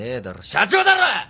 社長だろ！